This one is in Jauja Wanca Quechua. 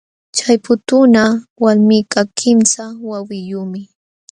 Chay putuuna walmikaq kimsa wawiyuqmi.